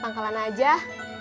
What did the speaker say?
gue mau ke rumah emak